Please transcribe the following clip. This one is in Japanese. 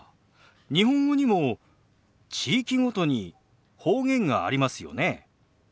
日本語にも地域ごとに方言がありますよね。